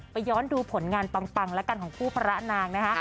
ย้อนดูผลงานปังแล้วกันของคู่พระนางนะคะ